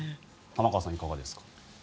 玉川さん、いかがですか。